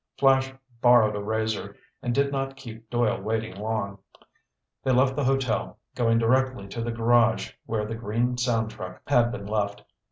Flash borrowed a razor, and did not keep Doyle waiting long. They left the hotel, going directly to the garage where the green sound truck had been left.